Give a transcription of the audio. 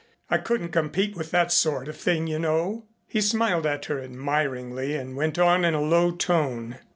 I couldn't compete with that sort of thing, you know." He smiled at her admiringly and went on in a low tone.